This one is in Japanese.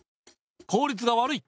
効率が悪い。